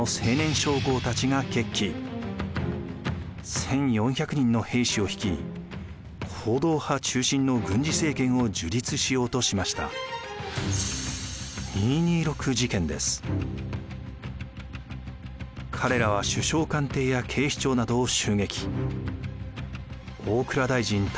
１，４００人の兵士を率い彼らは首相官邸や警視庁などを襲撃。